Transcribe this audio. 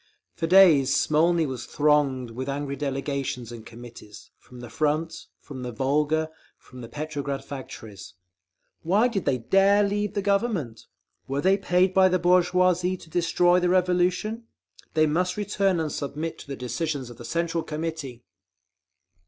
For days Smolny was thronged with angry delegations and committees, from the front, from the Volga, from the Petrograd factories. "Why did they dare leave the Government? Were they paid by the bourgeoisie to destroy the Revolution? They must return and submit to the decisions of the Central Committee!"